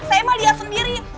saya mah lihat sendiri